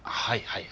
はい。